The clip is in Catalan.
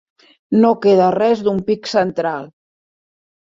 No queda res d'un pic central.